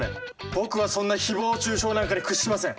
僕はそんな誹謗中傷なんかに屈しません！